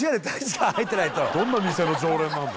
どんな店の常連なんだ。